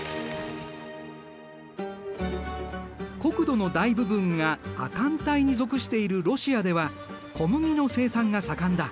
国土の大部分が亜寒帯に属しているロシアでは小麦の生産が盛んだ。